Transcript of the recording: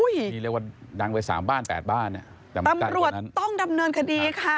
ดีเลยว่าดังเวย๓บ้าน๘บ้านต้องดำเนินคดีค่ะ